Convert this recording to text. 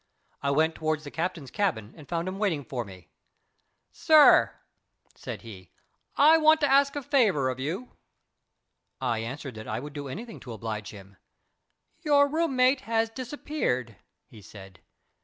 I went toward the captain's cabin, and found him waiting for me. "Sir," said he, "I want to ask a favour of you." I answered that I would do anything to oblige him. "Your room mate has disappeared," he said.